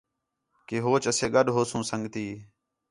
کہ ہوچ اَسے گڈھوسوں سنڳتی